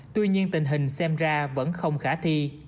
tuy nhiên tình hình xem ra vẫn không khả thi